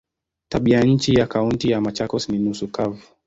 Tabianchi ya Kaunti ya Machakos ni nusu kavu.